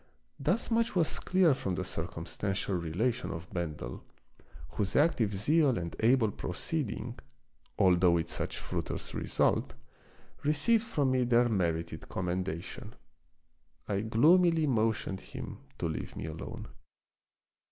Thus much was clear from the circumstantial relation of Bendel, whose active zeal and able proceeding, although with such fruitless result, received from me their merited commendation. I gloomily motioned him to leave me alone.